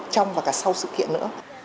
trong và cả sau sự kiện nữa